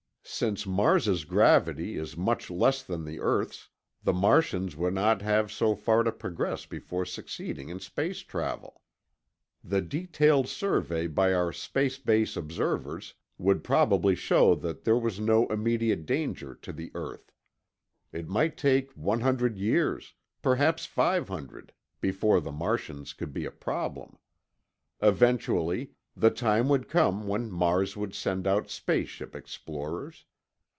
Since Mars's gravity is much less than the earth's, the Martians would not have so far to progress before succeeding in space travel. The detailed survey by our space base observers would probably show that there was no immediate danger to the earth. It might take one hundred years—perhaps five hundred—before the Martians could be a problem. Eventually, the time would come when Mars would send out space ship explorers.